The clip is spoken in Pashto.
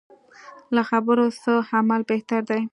له خبرو څه عمل بهتر دی.